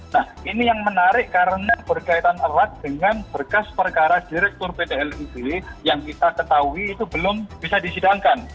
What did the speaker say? nah ini yang menarik karena berkaitan erat dengan berkas perkara direktur pt lib yang kita ketahui itu belum bisa disidangkan